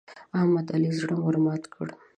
احمد د علي زړه ور مات کړ.